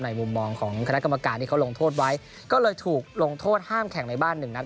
มุมมองของคณะกรรมการที่เขาลงโทษไว้ก็เลยถูกลงโทษห้ามแข่งในบ้านหนึ่งนัด